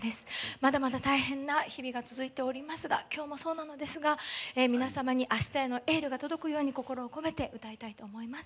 まだまだ大変な日々が続いておりますがきょうもそうなのですが皆様にあしたへのエールが届くように心を込めて歌いたいと思います。